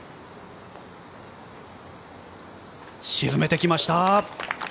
沈めてきました。